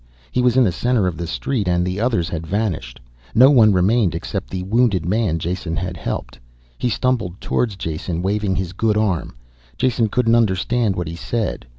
He was in the center of the street, and the others had vanished. No one remained. Except the wounded man Jason had helped. He stumbled towards Jason, waving his good arm. Jason couldn't understand what he said.